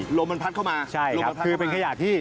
ลมมันพัดเข้ามาลมมันพัดเข้ามาใช่ครับคือเป็นขยะที่